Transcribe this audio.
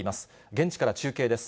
現地から中継です。